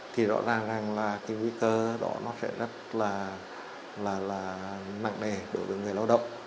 thì rõ ràng là cái nguy cơ đó sẽ rất là nặng nề đối với người lao động